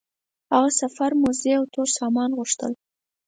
هغه د سفر موزې او تور سامان وغوښتل.